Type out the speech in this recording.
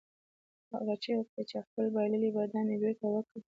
هغه چیغه کړه چې خپل بایللي بادام مې بیرته وګټل.